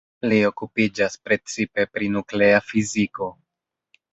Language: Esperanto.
Li okupiĝas precipe pri nuklea fiziko.